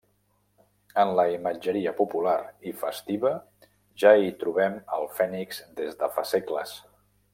En la imatgeria popular i festiva, ja hi trobem el Fènix des de fa segles.